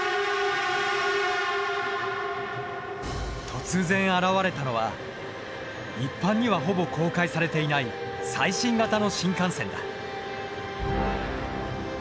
突然現れたのは一般にはほぼ公開されていない最新型の新幹線だ。